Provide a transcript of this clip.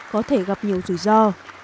có thể gặp nhiều rủi ro